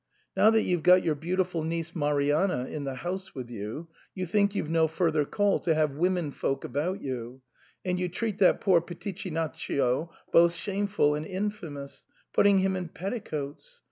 Now that you've got your beautiful niece Marianna in the house with you, you think youVe no further call to have women folk about you, and you treat that poor Pitichinaccio most shameful and infamous, putting him in petticoats.